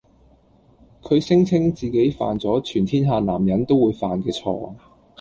佢聲稱自己犯咗全天下男人都會犯嘅錯